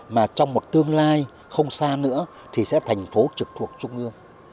mà trong một tương lai không xa nữa thì sẽ thành phố trực thuộc trung ương